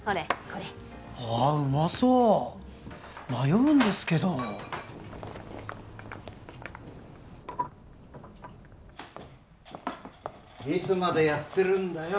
これああうまそう迷うんですけどいつまでやってるんだよ